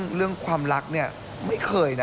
เรื่องความรักเนี่ยไม่เคยนะ